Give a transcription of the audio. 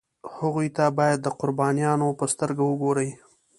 هغوی ته باید د قربانیانو په سترګه وګوري.